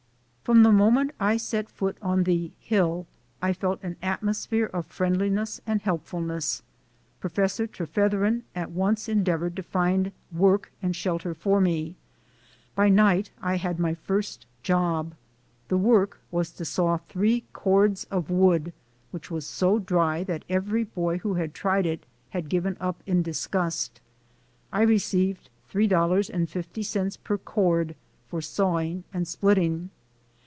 From the moment I set foot on the "Hill" I felt an atmosphere of friendliness and helpfulness. Professor Trefetheren at once endeavored to find work and shelter for me. By night I had my first job. The work was to saw three cords of wood which was so dry that every boy who had tried it had given up in disgust. I received $3.50 per cord for sawing and splitting.